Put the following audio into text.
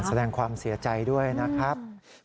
แสดงความเสียใจด้วยนะครับ